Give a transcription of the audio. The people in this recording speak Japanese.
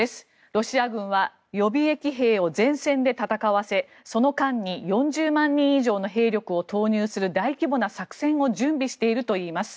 ロシア軍は予備役兵を前線で戦わせその間に４０万人以上の兵力を投入する大規模な作戦を準備しているといいます。